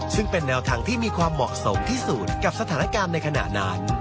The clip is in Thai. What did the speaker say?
ซึ่งเป็นแนวทางที่มีความเหมาะสมที่สุดกับสถานการณ์ในขณะนั้น